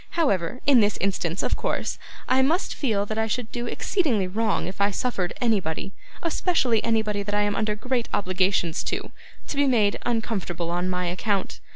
However, in this instance, of course, I must feel that I should do exceedingly wrong if I suffered anybody especially anybody that I am under great obligations to to be made uncomfortable on my account.